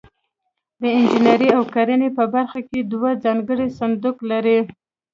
د انجنیري او کرنې په برخه کې دوی ځانګړی صندوق لري.